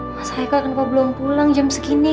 mas haika kenapa belum pulang jam segini